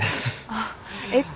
あっえっ